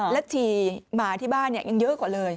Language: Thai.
แล้วถี่มาที่บ้านเนี่ยยังเยอะกว่าเลย